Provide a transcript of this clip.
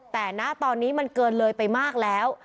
แต่ณตอนนี้มันเกินเลยไปมากแล้ว